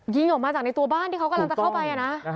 ยิงออกมาจากในตัวบ้านที่เขากำลังจะเข้าไปนะ